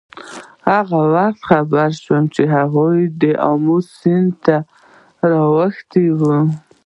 هغه وخت خبر شو چې هغوی د آمو تر سیند را اوښتي وو.